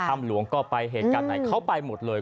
ถ้ำหลวงก็ไปเหตุการณ์ไหนเขาไปหมดเลย